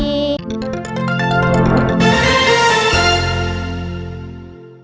โปรดติดตามตอนต่อไป